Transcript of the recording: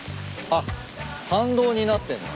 あっ参道になってんだ。